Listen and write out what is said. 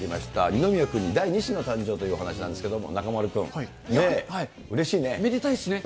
二宮君に第２子の誕生ということなんですけれども、中丸君、めでたいですね。